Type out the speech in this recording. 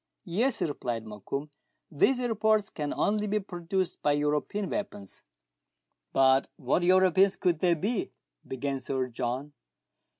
"Yes," replied Mokoum ; "these reports can only be produced by European weapons." " But what Europeans could they be ?" began Sir John.